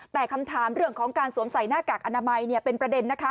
แต่คำถามเรื่องของการสวมใส่หน้ากากอนามัยเป็นประเด็นนะคะ